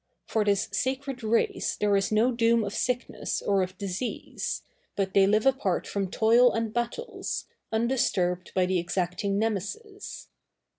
For this sacred race there is no doom of sickness or of disease; but they live apart from toil and battles, undisturbed by the exacting Nemesis."